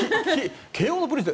慶応のプリンス